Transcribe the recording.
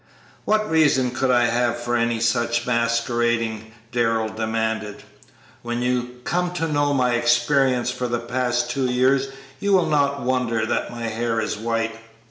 "What reason could I have for any such masquerading?" Darrell demanded; "when you come to know my experience for the past two years you will not wonder that my hair is white."